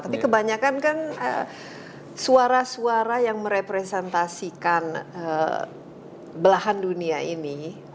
tapi kebanyakan kan suara suara yang merepresentasikan belahan dunia ini